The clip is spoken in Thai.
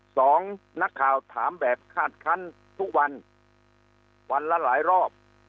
สองนักข่าวถามแบบคาดคันทุกวันวันละหลายรอบ